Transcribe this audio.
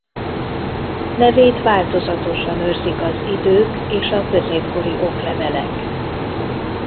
Nevét változatosan őrzik az idők és a középkori oklevelek.